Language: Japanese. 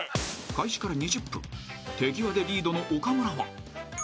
［開始から２０分手際でリードの岡村は］